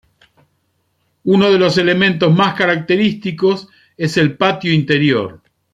Uno de los elementos más característicos es el patio interior.